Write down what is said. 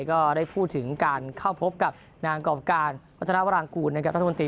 ก็ได้พูดถึงการเข้าพบกับนางกรอบการวัฒนาวรางกูลนะครับรัฐมนตรี